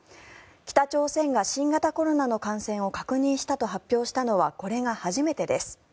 北朝鮮が新型コロナの感染を確認したと発表したのはこれが初めてです。